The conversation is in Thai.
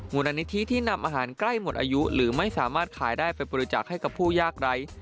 มูลนิธิที่นำอาหารใกล้หมดอายุหรือไม่สามารถขายได้ไปบริจาคให้กับผู้ยากไร้